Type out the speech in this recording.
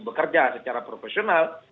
bekerja secara profesional